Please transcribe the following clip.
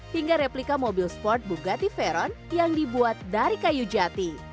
hingga replika mobil sport bugatti veron yang dibuat dari kayu jati